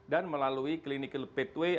dan melalui clinical pathway